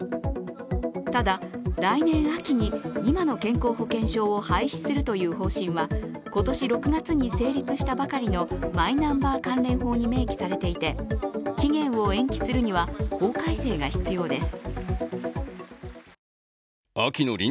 ただ、来年秋に今の健康保険証を廃止するという方針は今年６月に成立したばかりのマイナンバー関連法に明記されていて期限を延期するには法改正が必要です。